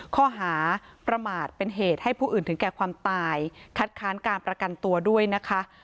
ข้อหาประมาทเป็นเหตุให้ผู้อื่นถึงแก่ความตายคัดค้านการประกันตัวด้วยนะคะ